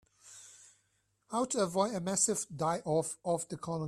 How to avoid a massive die-off of the colony.